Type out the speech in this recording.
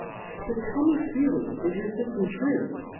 But tell me freely, is your Syftem true?